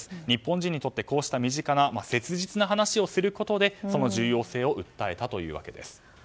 日本人にとってこうした身近な切実な話をすることでその重要性を訴えたということです。